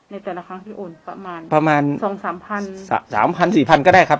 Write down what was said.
ในแต่ละครั้งพี่อุ่นประมาณประมาณสองสามพันสามพันสี่พันก็ได้ครับ